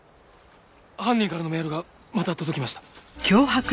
犯人からのメールがまた届きました。